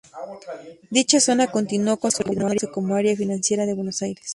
Dicha zona continuó consolidándose como área financiera de Buenos Aires.